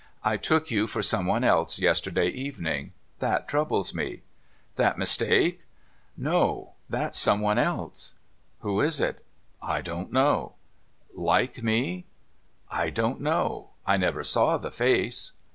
I took you for some one else yesterday evening. That troubles me.' ' That mistake ?'' No. That some one else.' 'Who is it?' ' I don't know.' ' Like me ?'' I don't know. I never saw the face.